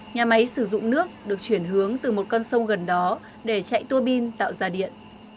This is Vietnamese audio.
nhà máy sử dụng nước được chuyển hướng từ một con sông gần đó để chạy tuô bin tạo ra điện